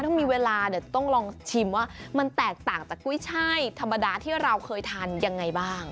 ถ้ามีเวลาเดี๋ยวต้องลองชิมว่ามันแตกต่างจากกุ้ยช่ายธรรมดาที่เราเคยทานยังไงบ้าง